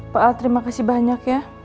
pak al terima kasih banyak ya